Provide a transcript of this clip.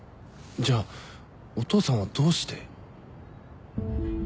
じゃあお父さんはどうして？